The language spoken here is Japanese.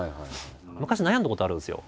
昔悩んだことあるんですよ。